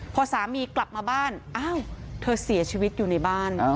พอสามีกลับมาบ้านอ้าวเธอเสียชีวิตอยู่ในบ้าน